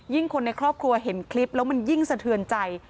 คนในครอบครัวเห็นคลิปแล้วมันยิ่งสะเทือนใจ